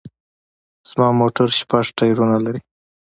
زما موټر شپږ ټیرونه لري